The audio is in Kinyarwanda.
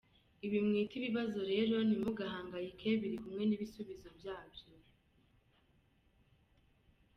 Ibi mwita ibibazo rero ntimuhangayike biri kumwe n’ibisubizo byabyo.